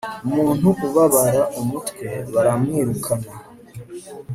umuntu ubabara umutwe baramwirukana